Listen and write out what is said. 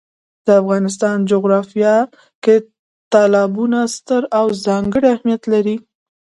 د افغانستان جغرافیه کې تالابونه ستر او ځانګړی اهمیت لري.